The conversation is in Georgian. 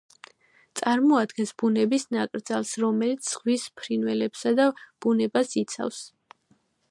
წარმოადგენს ბუნების ნაკრძალს, რომელიც ზღვის ფრინველებსა და ბუნებას იცავს.